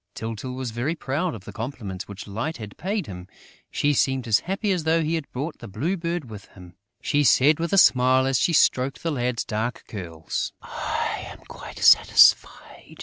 Tyltyl was very proud of the compliments which Light had paid him: she seemed as happy as though he had brought the Blue Bird with him: She said, with a smile, as she stroked the lad's dark curls: "I am quite satisfied.